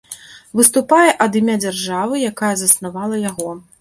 Выступае ад імя дзяржавы, якая заснавала яго.